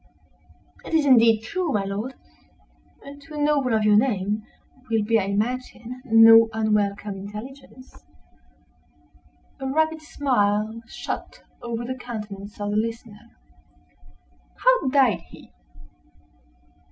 "It is indeed true, my lord; and, to a noble of your name, will be, I imagine, no unwelcome intelligence." A rapid smile shot over the countenance of the listener. "How died he?"